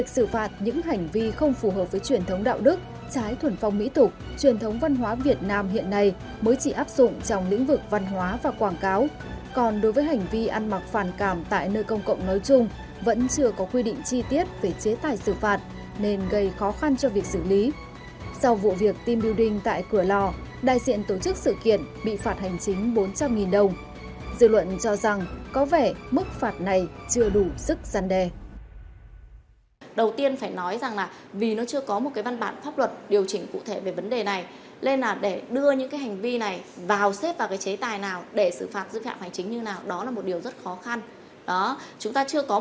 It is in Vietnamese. sau vụ việc team building tại cửa lò đại diện tổ chức sự kiện bị phạt hành chính bốn trăm linh đồng